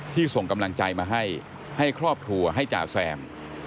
ส่งกำลังใจมาให้ให้ครอบครัวให้จ่าแซม